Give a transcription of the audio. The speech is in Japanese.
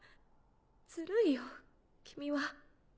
ずるいよ君は。